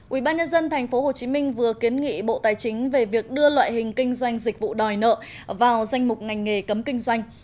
ubnd tp hcm vừa kiến nghị bộ tài chính về việc đưa loại hình kinh doanh dịch vụ đòi nợ vào danh mục ngành nghề cấm kinh doanh